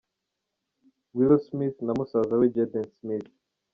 Willow Smith na musaza we Jaden Smith.